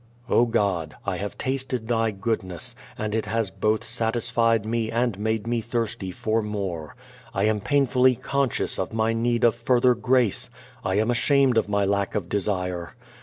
_O God, I have tasted Thy goodness, and it has both satisfied me and made me thirsty for more. I am painfully conscious of my need of further grace. I am ashamed of my lack of desire.